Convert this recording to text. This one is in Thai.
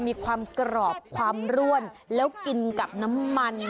มีความกรอบความร่วนแล้วกินกับน้ำมัน